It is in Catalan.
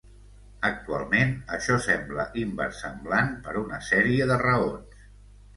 Actualment, això sembla inversemblant per una sèrie de raons.